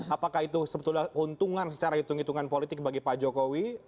apakah itu sebetulnya keuntungan secara hitung hitungan politik bagi pak jokowi